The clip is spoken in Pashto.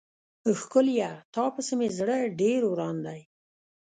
ښکليه تا پسې مې زړه ډير وران دی.